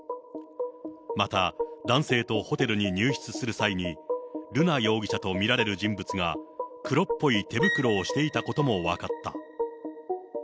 また、男性とホテルに入出する際に、瑠奈容疑者と見られる人物が黒っぽい手袋をしていたことも分かった。